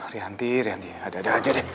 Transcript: rianti rianti ada ada aja deh